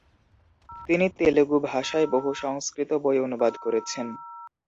তিনি তেলেগু ভাষায় বহু সংস্কৃত বই অনুবাদ করেছেন।